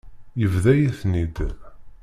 Yebḍa-yi-ten-id.